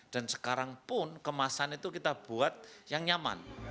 dan sekarang pun kemasan itu kita buat yang nyaman